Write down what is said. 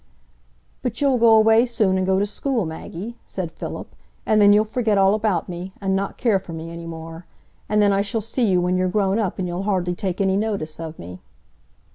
"But you'll go away soon, and go to school, Maggie," said Philip, "and then you'll forget all about me, and not care for me any more. And then I shall see you when you're grown up, and you'll hardly take any notice of me."